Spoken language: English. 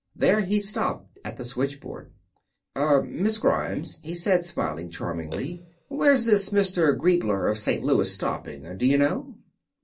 There he stopped at the switchboard. "Er Miss Grimes," he said, smiling charmingly. "Where's this Mr. Griebler, of St. Louis, stopping; do you know?"